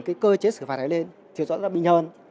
cái cơ chế sử phạt này lên thì rõ ràng là bị nhờn